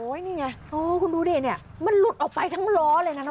โอ้ยนี่ไงโอ้ยคุณดูดิเนี่ยมันหลุดออกไปทั้งล้อเลยนะน้องเฮีย